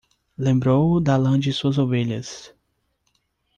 Lembrou-o da lã de suas ovelhas...